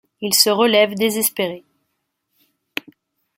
Il se relève désespéré.